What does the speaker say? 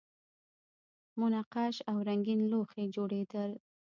منقش او رنګین لوښي جوړیدل